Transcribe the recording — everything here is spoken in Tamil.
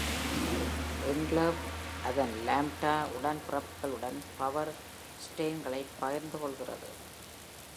என்க்ளேவ் அதன் லாம்ப்டா உடன்பிறப்புகளுடன் பவர் ட்ரெயின்களைப் பகிர்ந்து கொள்கிறது.